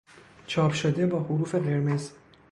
چاپ شده با حروف قرمز